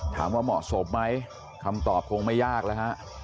ถามว่าเหมาะสมไหมคำตอบคงไม่ยากแล้วฮะ